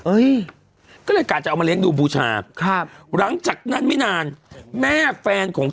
เอ้ยก็เลยกะจะเอามาเลี้ยงดูบูชาครับหลังจากนั้นไม่นานแม่แฟนของ